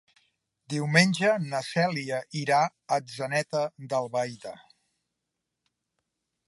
Diumenge na Cèlia irà a Atzeneta d'Albaida.